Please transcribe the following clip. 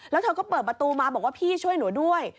แล้วเธอก็เปิดประตูมาบอกว่าพี่ช่วยหนูด้วย